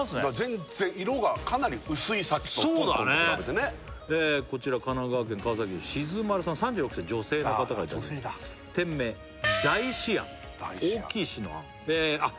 全然色がかなり薄いさっきの豚豚と比べてねこちら神奈川県川崎市のしずまるさん３６歳女性の方からいただきました店名大師庵大きい師の庵あっ